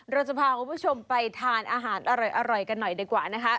เราจะพาคุณผู้ชมไปทานอาหารอร่อยกันหน่อยดีกว่านะคะ